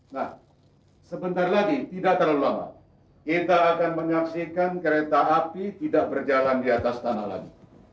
nah sebentar lagi tidak terlalu lama kita akan menyaksikan kereta api tidak berjalan di atas tanah lagi